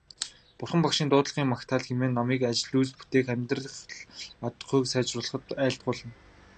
Бурхан Багшийн дуудлага магтаал хэмээх номыг ажил үйлс бүтээх, амьдрал ахуйг сайжруулахад айлтгуулна.